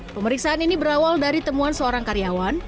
pemeriksaan ini berawal dari temuan seorang karyawan